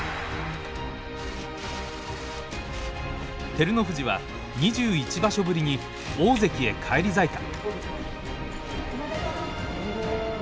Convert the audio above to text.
照ノ富士は２１場所ぶりに大関へ返り咲いた。